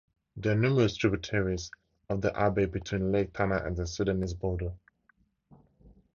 There are numerous tributaries of the Abay between Lake Tana and the Sudanese border.